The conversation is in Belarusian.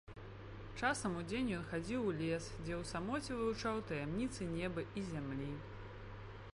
Часам удзень ён хадзіў у лес, дзе ў самоце вывучаў таямніцы неба і зямлі.